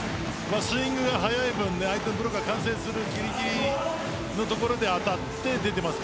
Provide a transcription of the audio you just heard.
スイングが速い分相手の完成するぎりぎりのところで当たって出ています。